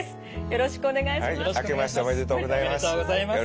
よろしくお願いします。